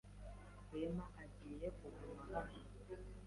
Rwema agiye kuguma hano.